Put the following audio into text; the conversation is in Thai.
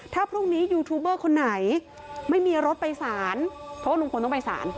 ถ้าพรุ่งนี้ยูทูบเบอร์คนไหนไม่มีรถไปสารเพราะว่าลุงพลต้องไปสาร